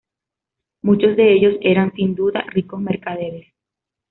Muchos de ellos eran, sin duda, ricos mercaderes.